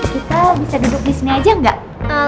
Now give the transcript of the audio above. kita bisa duduk disini aja nggak